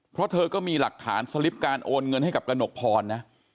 เพราะเธอก็มีหลักฐานสลิปการโอนเงินให้กับกระหนกพรนะ